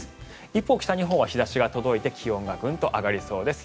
一方、北日本は日差しが届いて気温がグンと上がりそうです。